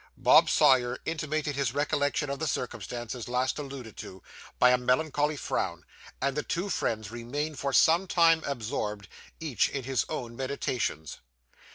Bob Sawyer intimated his recollection of the circumstance last alluded to, by a melancholy frown; and the two friends remained for some time absorbed, each in his own meditations.